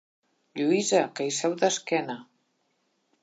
Lluïsa, que hi seu d'esquena.